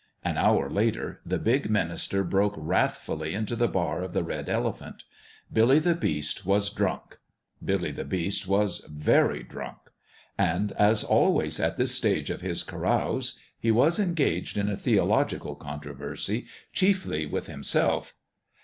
An hour later, the big minister broke wrathfully into the bar of the Red Elephant. Billy the Beast was drunk. Billy the Beast was very drunk. And as always at this stage of his carouse he was engaged in a theological controversy, chiefly with himself.